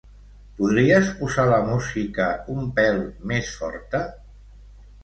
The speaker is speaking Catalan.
Podries posar la música un pèl més forta?